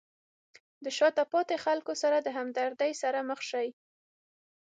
د شاته پاتې خلکو سره د همدردۍ سره مخ شئ.